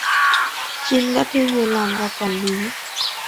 Trinh đã thuê người làm và quản lý